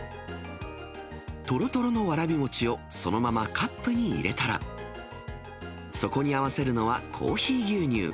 とろとろのわらび餅を、そのままカップに入れたら、そこに合わせるのは、コーヒー牛乳。